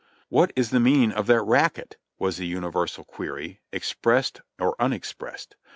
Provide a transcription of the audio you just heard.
"What is the mean ing of that racket?" was the universal query, expressed or unex pressed.